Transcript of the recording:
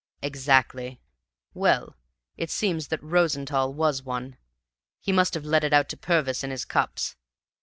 "Exactly. Well, it seems that Rosenthall was one. He must have let it out to Purvis in his cups.